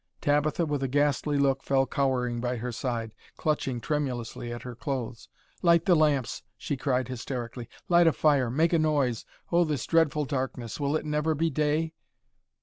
Tabitha, with a ghastly look, fell cowering by her side, clutching tremulously at her clothes. "Light the lamps," she cried hysterically. "Light a fire, make a noise; oh, this dreadful darkness! Will it never be day!"